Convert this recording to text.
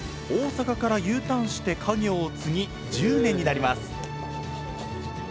大阪からＵターンして家業を継ぎ１０年になります